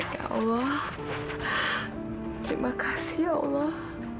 ya allah terima kasih ya allah